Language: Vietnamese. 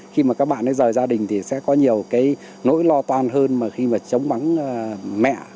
khi mà các bạn ấy rời gia đình thì sẽ có nhiều cái nỗi lo toan hơn mà khi mà chống bắn mẹ